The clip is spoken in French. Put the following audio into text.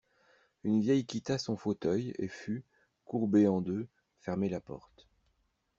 Une vieille quitta son fauteuil et fut, courbée en deux, fermer la porte.